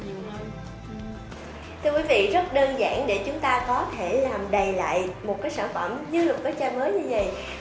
thưa quý vị rất đơn giản để chúng ta có thể làm đầy lại một cái sản phẩm như một cái cha mới như vậy